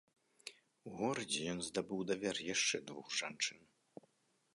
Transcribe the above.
У горадзе ён здабыў давер яшчэ двух жанчын.